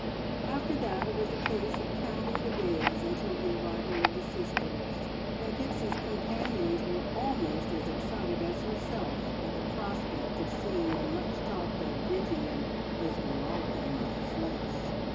After that it was a case of counting the days until the arrival of the sisters, and Pixie's companions were almost as excited as herself at the prospect of seeing the much talked of Bridgie and Esmeralda in the flesh.